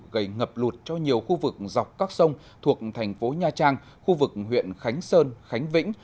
gây ngập lụt cho nhiều khu vực dọc các sông thuộc thành phố nha trang khu vực huyện khánh sơn khánh vĩnh